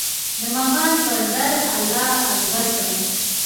د مغان پر در الله اکبر کړم